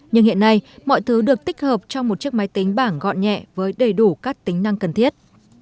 nhưng hiện nay mọi thứ được tích hợp trong một chiếc máy tính bảng gọn nhẹ với đầy đủ các tính năng cần thiết